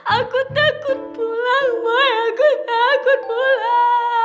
aku takut pulang boy aku takut pulang